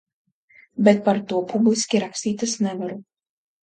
Bet par to publiski rakstīt es nevaru.